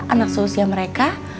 anak seusia mereka